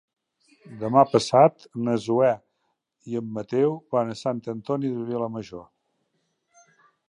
Demà passat na Zoè i en Mateu van a Sant Antoni de Vilamajor.